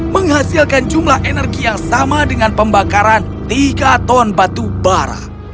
menghasilkan jumlah energi yang sama dengan pembakaran tiga ton batu bara